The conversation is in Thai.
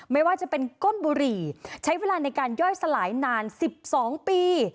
ไม่ว่าจะเป็นก้นบุหรี่ใช้เวลาในการย่อยสลายนาน๑๒ปี